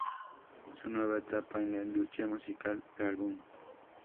Su nueva etapa en la industria musical: el álbum.